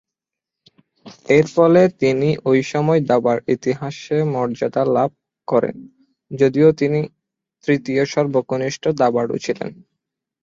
এরফলে তিনি ঐ সময়ে দাবার ইতিহাসে মর্যাদা লাভ করেন যদিও তিনি তৃতীয় সর্বকনিষ্ঠ দাবাড়ু ছিলেন।